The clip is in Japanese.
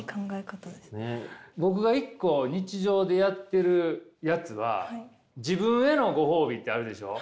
僕が１個日常でやっているやつは自分へのご褒美ってあるでしょ？